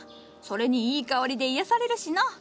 それにいい香りで癒やされるしのう。